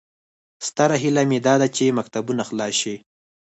ستره هیله مې داده چې مکتبونه خلاص شي